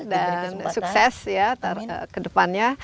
dan sukses ya ke depannya